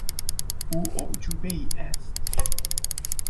او اعجوبهای است.